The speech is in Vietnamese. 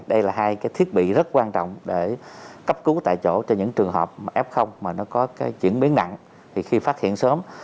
đây là hai thiết bị rất quan trọng để cấp cứu tại chỗ cho những trường hợp f có chuyển biến nặng khi phát hiện sớm